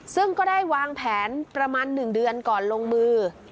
ซึ่งก็ได้วางแผนประมาณ๑เดือนก่อนลงมือ